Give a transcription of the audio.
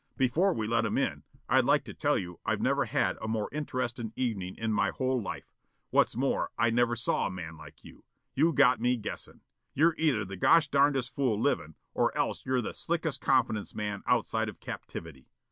Before we let 'em in, I'd like to tell you I've never had a more interestin' evenin' in my whole life. What's more I never saw a man like you. You got me guessin'. You're either the goshdarndest fool livin' or else you're the slickest confidence man outside of captivity.